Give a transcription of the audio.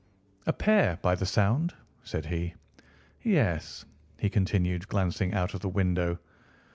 "A pair, by the sound," said he. "Yes," he continued, glancing out of the window.